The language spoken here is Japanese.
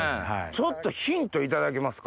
ちょっとヒントいただけますか？